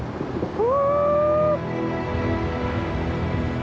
お！